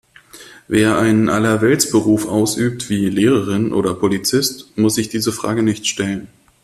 Wer einen Allerweltsberuf ausübt, wie Lehrerin oder Polizist, muss sich diese Frage nicht stellen.